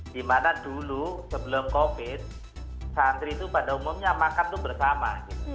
dimana dulu sebelum covid santri itu pada umumnya makan itu bersama